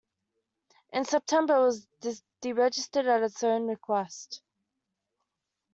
In September, it was deregistered at its own request.